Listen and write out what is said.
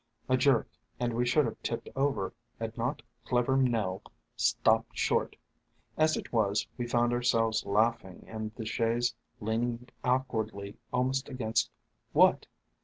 A jerk, and we should have tipped over had not clever Nell stopped short. As it was, we found ourselves laughing and the chaise leaning awkwardly almost against — what